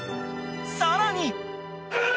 更に。